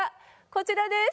こちらです。